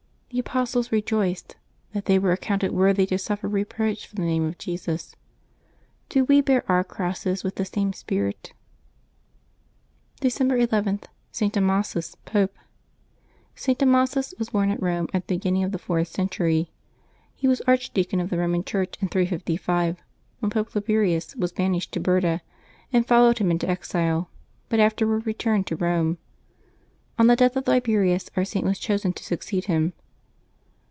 — The apostles rejoiced " that they were ac counted worthy to suffer reproach for the name of Jesus." Do we bear our crosses with the same spirit? December ii.— ST. DAMASUS, Pope. [t. Damasus was born at Rome at the beginning of the fourth century. He was archdeacon of the Roman Church in 355, when Pope Liberius was banished to Berda, and followed him into exile, but afterward returned to Rome. On the death of Liberius our Saint was chosen to succeed him.